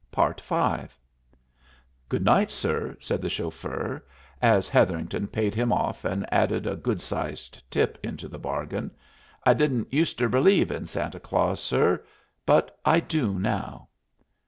V "Good night, sir," said the chauffeur, as Hetherington paid him off and added a good sized tip into the bargain. "I didn't useter believe in Santa Claus, sir, but I do now."